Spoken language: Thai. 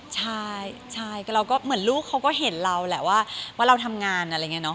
ใช่ใช่เราก็เหมือนลูกเขาก็เห็นเราแหละว่าเราทำงานอะไรอย่างนี้เนอ